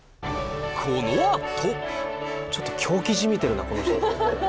このあと！